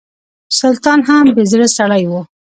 سلطان هم بې زړه سړی و.